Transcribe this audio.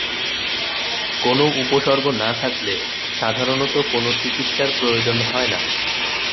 কোন উপসর্গ না থাকলে, সাধারণত কোন চিকিৎসার প্রয়োজন হয়না।